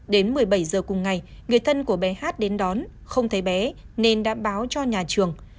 đến một mươi bảy giờ cùng ngày người thân của bé hát đến đón không thấy bé nên đã báo cho nhà trường